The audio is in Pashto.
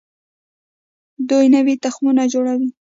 دوی نوي تخمونه جوړوي.